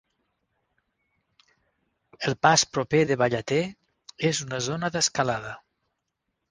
El pas proper de Ballater és una zona d'escalada.